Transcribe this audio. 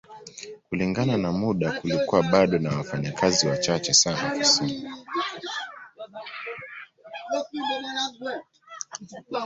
Kulingana na muda kulikuwa bado na wafanyakazi wachache sana ofisini